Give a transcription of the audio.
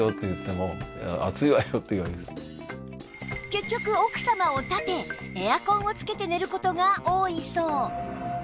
結局奥様を立てエアコンをつけて寝る事が多いそう